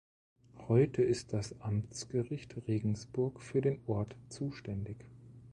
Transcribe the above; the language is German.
Heute ist das Amtsgericht Regensburg für den Ort zuständig.